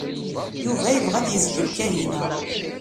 Yuba yebɣa ad yezgel Kahina.